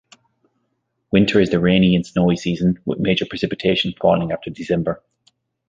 Winter is the rainy and snowy season, with major precipitation falling after December.